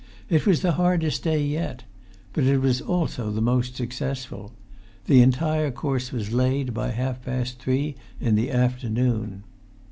It was the hardest day yet. But it was also the most successful. The entire course was laid by half past three in the afternoon.